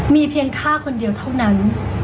มีเพียงข้าคนเดียวเท่านั้น